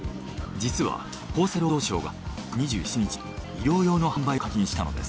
実は厚生労働省が９月２７日に医療用の販売を解禁したのです。